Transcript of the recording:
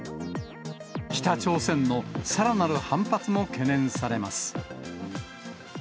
北朝鮮のさらなる反発も懸念されます。